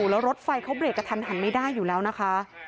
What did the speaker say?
แล้วรถไฟเขาเรกกระทันหันไม่ได้อยู่แล้วนะคะ